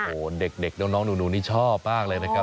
โอ้โหเด็กน้องหนูนี่ชอบมากเลยนะครับ